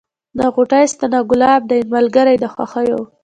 نه غوټۍ سته نه ګلاب یې دی ملګری د خوښیو